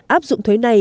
áp dụng thuế này